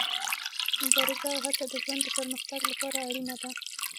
مبارزه او هڅه د ژوند د پرمختګ لپاره اړینه ده.